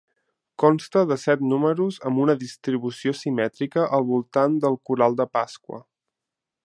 Consta de set números amb una distribució simètrica al voltant del coral de Pasqua.